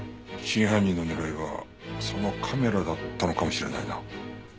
真犯人の狙いはそのカメラだったのかもしれないな。